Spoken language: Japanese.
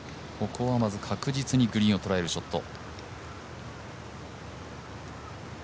ここはまず確実にグリーンをとらえるショット。